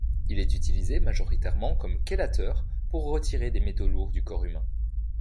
Il est utilisé majoritairement comme chélateur pour retirer des métaux lourds du corps humain.